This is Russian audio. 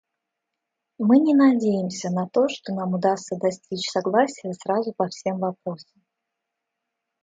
Мы не надеемся на то, что нам удастся достичь согласия сразу по всем вопросам.